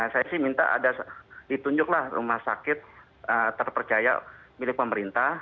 saya sih minta ada ditunjuklah rumah sakit terpercaya milik pemerintah